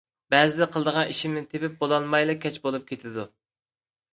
بەزىدە قىلىدىغان ئىشىمنى تېپىپ بولالمايلا كەچ بولۇپ كېتىدۇ.